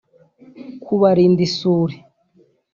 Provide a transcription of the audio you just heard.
kuburinda isuri